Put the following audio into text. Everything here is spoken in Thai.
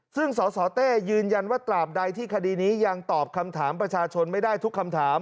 ซึ่งสสเต้ยืนยันว่าตราบใดที่คดีนี้ยังตอบคำถามประชาชนไม่ได้ทุกคำถาม